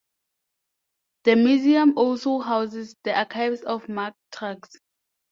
The museum also houses the archives of Mack Trucks.